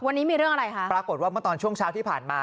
วันนี้มีเรื่องอะไรคะปรากฏว่าเมื่อตอนช่วงเช้าที่ผ่านมา